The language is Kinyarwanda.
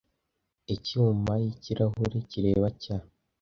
Inyuma yikirahure kireba cya